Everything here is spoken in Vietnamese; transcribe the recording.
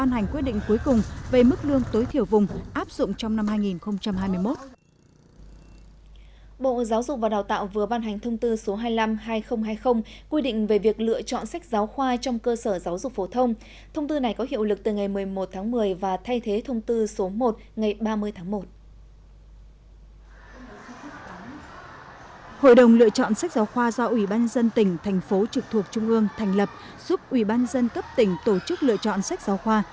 hội đồng lựa chọn sách giáo khoa do ủy ban dân tỉnh thành phố trực thuộc trung ương thành lập giúp ủy ban dân cấp tỉnh tổ chức lựa chọn sách giáo khoa